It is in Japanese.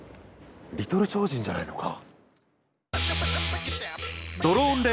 リトル超人じゃないのか？